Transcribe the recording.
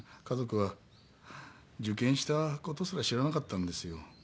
家族は受験した事すら知らなかったんですよ。